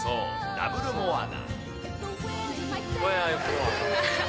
ダブルモアナ。